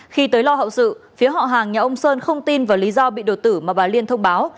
khi tới lo hậu sự phía họ hàng nhà ông sơn không tin vào lý do bị đột tử mà bà liên thông báo